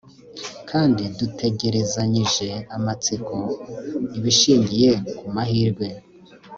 kandi dutegerezanyije amatsiko ibishingiye ku mahirwe